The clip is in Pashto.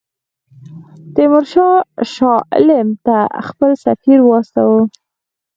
تیمورشاه شاه عالم ته خپل سفیر واستاوه.